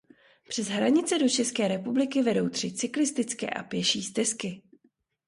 Přes hranice do České republiky vedou tři cyklistické a pěší stezky.